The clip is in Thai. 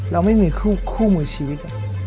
เราไม่มีคู่มือชีวิต